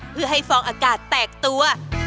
เพื่อให้ฟองอากาศแตกตัว